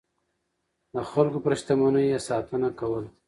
د خلکو پر شتمنيو يې ساتنه کوله.